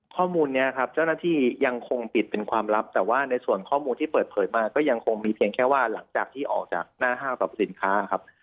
ข้อมูลนี้ครับเจ้าหน้าที่ยังคงปิดเป็นความลับแต่ว่าในส่วนข้อมูลที่เปิดเผยมาก็ยังคงมีเพียงแค่ว่าหลังจากที่ออกจากหน้าห้างสรรพสินค้าครับ